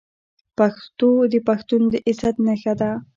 پښتو د پښتون د عزت نښه ده.